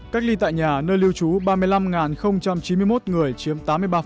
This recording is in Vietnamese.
cách ly tại nhà nơi lưu trú ba mươi năm chín mươi một người chiếm tám mươi ba